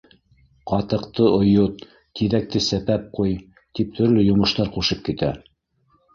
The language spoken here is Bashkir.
Ҡатыҡты ойот, тиҙәкте сәпәп ҡуй, — тип төрлө йомоштар ҡушып китә.